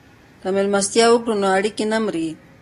که مېلمستیا وکړو نو اړیکې نه مري.